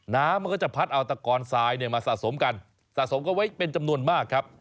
น้ำมันก็จะพัดเอาตะกอนทรายเนี่ยมาสะสมกันสะสมกันไว้เป็นจำนวนมากครับ